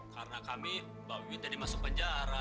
karena kami mbak wiwin tadi masuk penjara